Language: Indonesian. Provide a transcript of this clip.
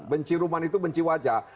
banci ruman itu banci wajah